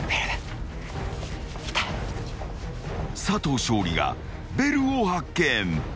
［佐藤勝利がベルを発見］